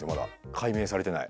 解明されてない。